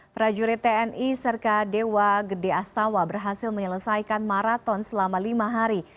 prajurit tni serta dewa gede astawa berhasil menyelesaikan maraton selama lima hari